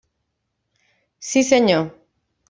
Sí senyor!